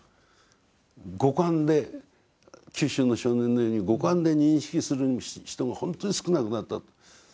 五感で九州の少年のように五感で認識する人がほんとに少なくなった。